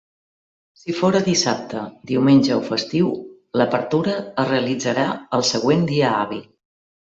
Si fóra dissabte, diumenge o festiu, l'apertura es realitzarà el següent dia hàbil.